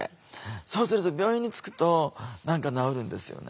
そうすると病院に着くと何か治るんですよね。